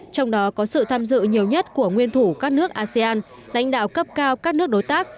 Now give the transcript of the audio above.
trong đó có sự tham dự nhiều nhất của nguyên thủ các nước asean lãnh đạo cấp cao các nước đối tác